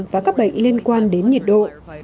và các bệnh liên quan đến nhiệt độ